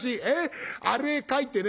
あれ書いてね